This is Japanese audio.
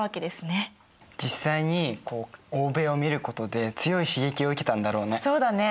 実際に欧米を見ることで強い刺激を受けたんだろうね。